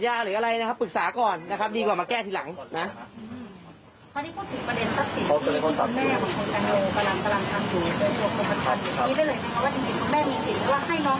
อยู่ในตัวคุณประทานครับนี่เป็นเรื่องจริงจริงว่าว่าจริงจริงคุณแม่มีสิทธิ์ว่าให้น้องเข้านั้นเข้าเรียง